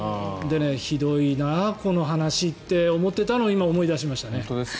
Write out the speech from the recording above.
ひどいな、この話って思っていたのを今、思い出しましたね。